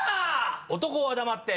男は黙って。